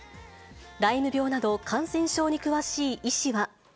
ライム病など、感染症に詳しい医師は。